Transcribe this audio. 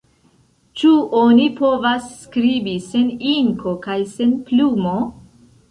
Ĉu oni povas skribi sen inko kaj sen plumo?